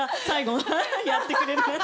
最後、やってくれる。